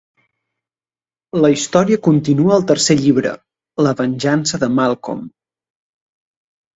La història continua al Tercer Llibre: La venjança de Malcolm.